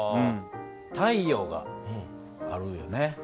太陽があるよね。